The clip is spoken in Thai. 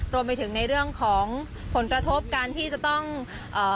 รวมไปถึงในเรื่องของผลกระทบการที่จะต้องเอ่อ